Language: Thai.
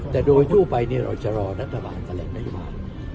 แต่โดยทั่วไปเราจะรอรัฐบาลแถลงนโยบาย